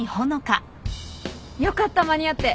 よかった間に合って。